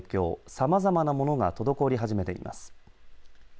さまざまなものが滞り始めています。